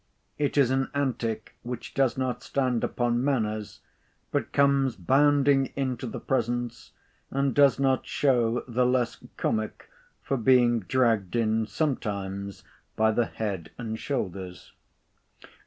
It is an antic which does not stand upon manners, but comes bounding into the presence, and does not show the less comic for being dragged in sometimes by the head and shoulders.